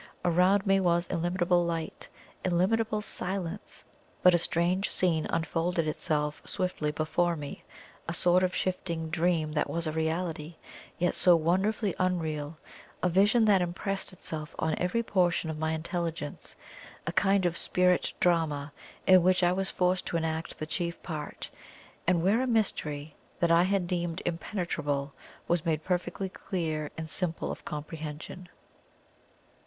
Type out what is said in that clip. Around me was illimitable light illimitable silence. But a strange scene unfolded itself swiftly before me a sort of shifting dream that was a reality, yet so wonderfully unreal a vision that impressed itself on every portion of my intelligence; a kind of spirit drama in which I was forced to enact the chief part, and where a mystery that I had deemed impenetrable was made perfectly clear and simple of comprehension.